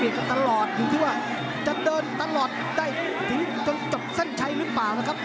กันตลอดอยู่ที่ว่าจะเดินตลอดได้ถึงจนจบเส้นชัยหรือเปล่านะครับ